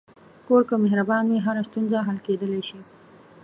کور که مهربان وي، هره ستونزه حل کېدلی شي.